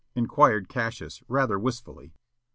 inquired Cassius, rather wistfully.